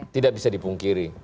tidak bisa dipungkiri